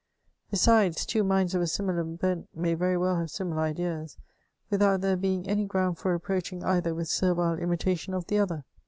Besides, two minds of a similar bent may very well have similar ideas, without there being any ground for reproaching' either with servile imitation of the other.